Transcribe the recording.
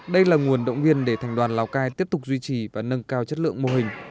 đây là nguồn động viên để thành đoàn lào cai tiếp tục duy trì và nâng cao chất lượng mô hình